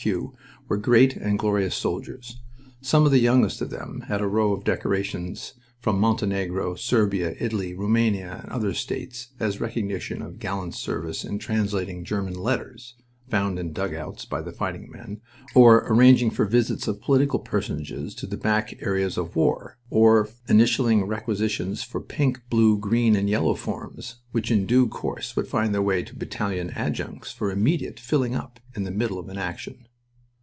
H. Q. were great and glorious soldiers. Some of the youngest of them had a row of decorations from Montenegro, Serbia, Italy, Rumania, and other states, as recognition of gallant service in translating German letters (found in dugouts by the fighting men), or arranging for visits of political personages to the back areas of war, or initialing requisitions for pink, blue, green, and yellow forms, which in due course would find their way to battalion adjutants for immediate filling up in the middle of an action.